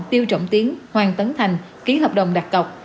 tiêu trọng tiến hoàng tấn thành ký hợp đồng đặt cọc